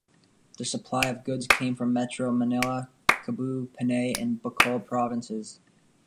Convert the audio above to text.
The supply of goods came from Metro Manila, Cebu, Panay and Bicol Provinces.